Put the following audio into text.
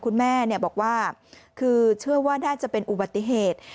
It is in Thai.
คุณแม่บอกว่าคือเชื่อว่าน่าจะเป็นอุบัติเหตุ